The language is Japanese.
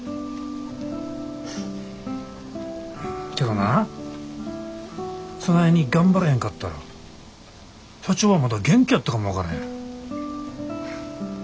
けどなぁそないに頑張れへんかったら社長はまだ元気やったかも分かれへん。